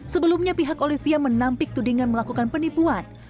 sebelumnya pihak olivia menampik tudingan melakukan penipuan